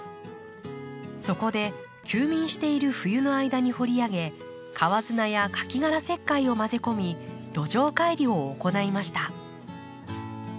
そこで休眠している冬の間に掘り上げ川砂やカキ殻石灰を混ぜ込み土壌改良を行いました。